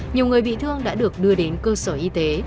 nhiều người bị thương đã được đưa đến cơ sở y tế